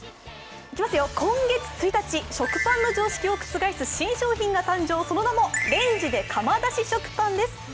今月１日、食パンの常識を覆す新商品が誕生、その名もレンジｄｅ窯出し食パンです。